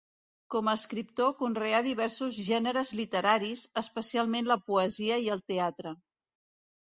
Com escriptor conreà diversos gèneres literaris, especialment la poesia i el teatre.